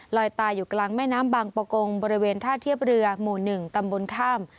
ตายอยู่กลางแม่น้ำบางประกงบริเวณท่าเทียบเรือหมู่๑ตำบลข้าม